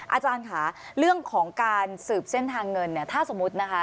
อาจารย์ค่ะเรื่องของการสืบเส้นทางเงินเนี่ยถ้าสมมุตินะคะ